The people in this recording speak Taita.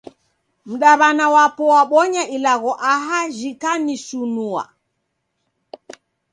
Mdaw'ana wapo wabonya ilagho aha jikanishinua!